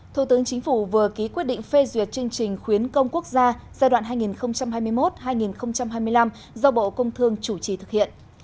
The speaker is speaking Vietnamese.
thủ tướng chính phủ vừa ký quyết định phê duyệt chương trình khuyến công quốc gia giai đoạn hai nghìn hai mươi một hai nghìn hai mươi năm do bộ công thương chủ trì thực hiện